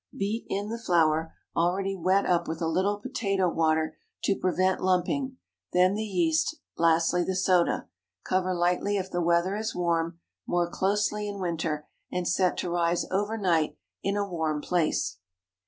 Beat in the flour, already wet up with a little potato water to prevent lumping, then the yeast, lastly the soda. Cover lightly if the weather is warm, more closely in winter, and set to rise over night in a warm place.